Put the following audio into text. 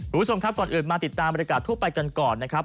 คุณผู้ชมครับก่อนอื่นมาติดตามบริการทั่วไปกันก่อนนะครับ